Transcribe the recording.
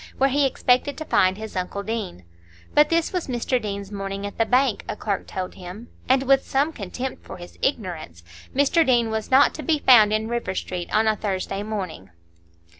where he expected to find his uncle Deane. But this was Mr Deane's morning at the bank, a clerk told him, and with some contempt for his ignorance; Mr Deane was not to be found in River Street on a Thursday morning.